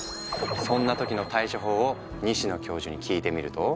そんな時の対処法を西野教授に聞いてみると。